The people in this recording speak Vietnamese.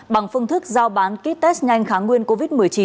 bằng phương thức giao bán ký test nhanh kháng nguyên covid một mươi chín